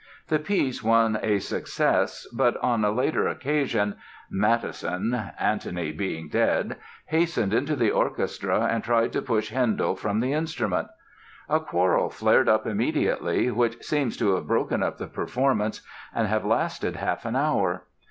The piece won a success, but on a later occasion Mattheson (Antony being "dead") hastened into the orchestra and tried to push Handel from the instrument. A quarrel flared up immediately, which seems to have broken up the performance and have lasted half an hour.